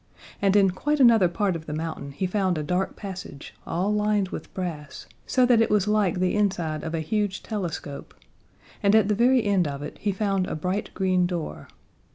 And in quite another part of the mountain he found a dark passage, all lined with brass, so that it was like the inside of a huge telescope, and at the very end of it he found a bright green door.